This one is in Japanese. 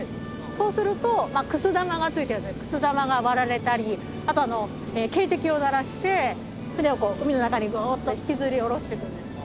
そうするとくす玉がついてるのでくす玉が割られたりあと警笛を鳴らして船を海の中にゴーッと引きずり下ろしていくんです。